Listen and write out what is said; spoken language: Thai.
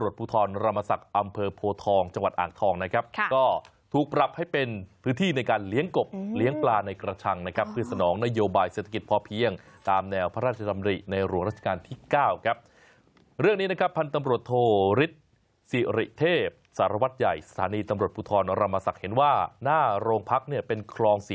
ภูทรรมศักดิ์อำเภอโพทองจังหวัดอ่างทองนะครับก็ถูกปรับให้เป็นพื้นที่ในการเลี้ยงกบเลี้ยงปลาในกระชังนะครับเพื่อสนองนโยบายเศรษฐกิจพอเพียงตามแนวพระราชดำริในหลวงราชการที่๙ครับเรื่องนี้นะครับพันธุ์ตำรวจโทฤษศิริเทพสารวัตรใหญ่สถานีตำรวจภูทรรมศักดิ์เห็นว่าหน้าโรงพักเนี่ยเป็นคลอง๔